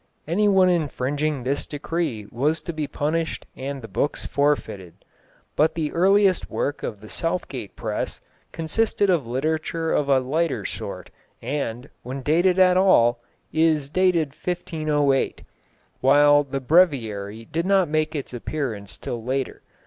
Anyone infringing this decree was to be punished and the books forfeited. But the earliest work of the Southgate press consisted of literature of a lighter sort, and, when dated at all, is dated 1508, while the Breviary did not make its appearance till later.